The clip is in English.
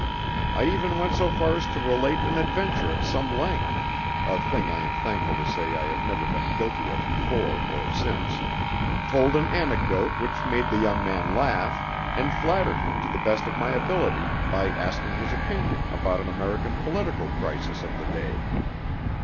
I even went so far as to relate an adventure at some length (a thing I am thankful to say I have never been guilty of before or since), told an anecdote which made the young man laugh, and flattered him to the best of my ability, by asking his opinion about an American political crisis of the day.